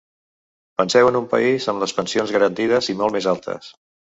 Penseu en un país amb les pensions garantides i molt més altes.